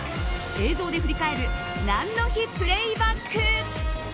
映像で振り返る何の日プレイバック。